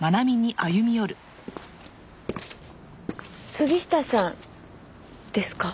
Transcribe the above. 杉下さんですか？